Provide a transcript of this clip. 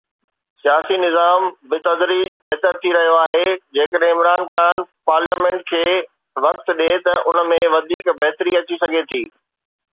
سياسي نظام بتدريج بهتر ٿي رهيو آهي جيڪڏهن عمران خان پارليامينٽ کي وقت ڏئي ته ان ۾ وڌيڪ بهتري اچي سگهي ٿي.